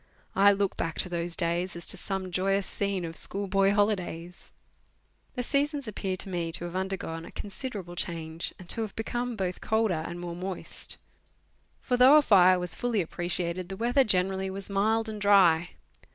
I look back to those days as to some joyous scene of school boy holidays. The seasons appear to me to have undergone a considerable change, and to have become both colder and more moist, for, though 240 Letters from Victorian Pioneers. a fire was fully appreciated, the weather generally was mild and dry.